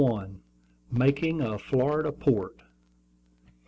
MAKING A FLORIDA PORT.